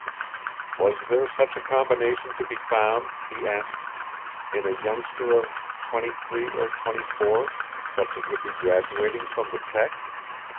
Was there such a combination to be found, he asked, in a youngster of twenty three or twenty four, such as would be graduating from the "Tech"?